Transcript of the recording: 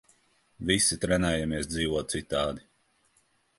Visi trenējamies dzīvot citādi.